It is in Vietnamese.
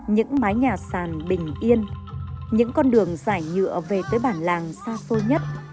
những mái nhà sàn bình yên những con đường giải nhựa về tới bản làng xa xôi nhất